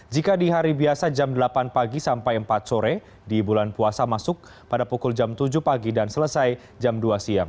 jika di hari biasa jam delapan pagi sampai empat sore di bulan puasa masuk pada pukul jam tujuh pagi dan selesai jam dua siang